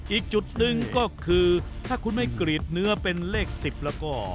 อีกจุดหนึ่งก็คือถ้าคุณไม่กรีดเนื้อเป็นเลข๑๐แล้วก็